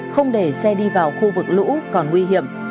không để xe đi vào khu vực lũ còn nguy hiểm